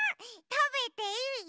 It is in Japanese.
たべていい？いいよ。